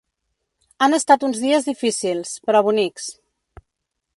Han estat uns dies difícils, però bonics.